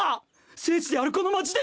聖地であるこの町で！